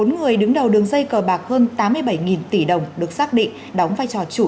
bốn người đứng đầu đường dây cờ bạc hơn tám mươi bảy tỷ đồng được xác định đóng vai trò chủ